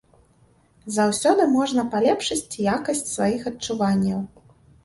Заўсёды можна палепшыць якасць сваіх адчуванняў.